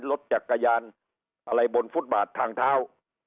รถจักรยานอะไรบนฟุตบาททางเท้า